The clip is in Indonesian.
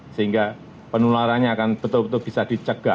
sehingga penularannya akan betul betul bisa dicegah